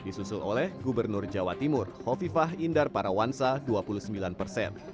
disusul oleh gubernur jawa timur hovifah indar parawansa dua puluh sembilan persen